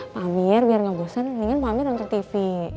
pamir biar gak bosen mendingan pamir nonton tv